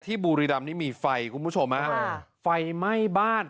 ที่บุรีดำนี่มีไฟกุมาชมว่าไฟไหม้บ้าน